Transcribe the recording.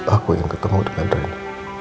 aku ingin bertemu dengan rina